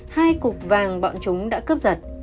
hai cục vàng bọn chúng đã cướp giật